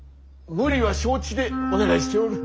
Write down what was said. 無理は承知でお願いしておる。